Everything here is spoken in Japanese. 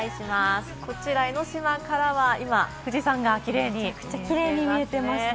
こちら、江の島からは今、富士山がキレイに見えています。